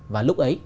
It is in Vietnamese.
và lúc ấy